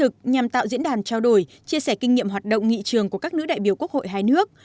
chào đổi chia sẻ kinh nghiệm hoạt động nghị trường của các nữ đại biểu quốc hội hai nước